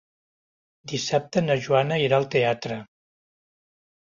Dissabte na Joana irà al teatre.